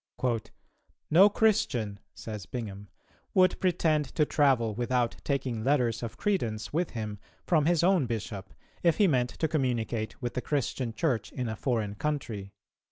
"No Christian," says Bingham, "would pretend to travel without taking letters of credence with him from his own bishop, if he meant to communicate with the Christian Church in a foreign country.